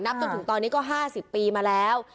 จนถึงตอนนี้ก็๕๐ปีมาแล้ว